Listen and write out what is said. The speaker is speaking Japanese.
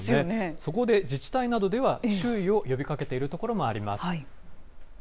そこで自治体などでは、注意を呼びかけている所もあります。